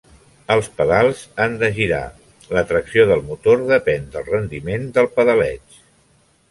Els pedals han de girar, la tracció del motor depèn del rendiment del pedaleig.